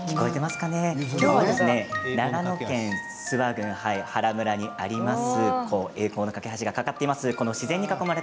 長野県諏訪郡原村にあります